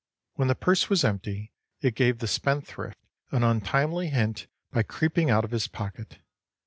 When the purse was empty, it gave the spendthrift an untimely hint by creeping out of his pocket.